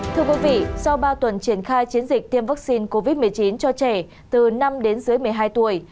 thưa quý vị sau ba tuần triển khai chiến dịch tiêm vaccine covid một mươi chín cho trẻ từ năm đến dưới một mươi hai tuổi